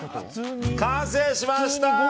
完成しました！